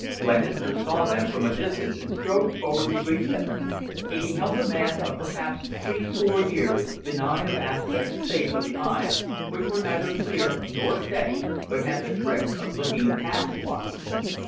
Glenister saw them from a distance and strode forward to greet them. He beheld a man of perhaps threescore years, benign of aspect save for the eyes, which were neither clear nor steady, but had the trick of looking past one.